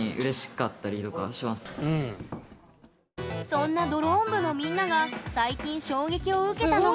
そんなドローン部のみんなが最近衝撃を受けたのがこちら。